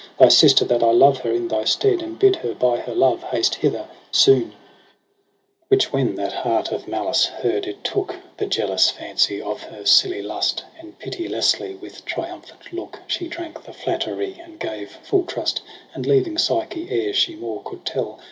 Thy sister that I love her in thy stead , And bid her hy her love haste hither soon.' AUGUST 141 H Which when that heart of malice heard, it took The jealous fancy of her silly lust : And pitilessly with triumphant look She drank the flattery, and gave full trust j And leaving Psyche ere she more could tell.